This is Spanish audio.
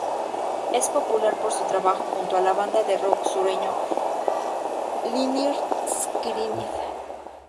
Es popular por su trabajo junto a la banda de "rock sureño" Lynyrd Skynyrd.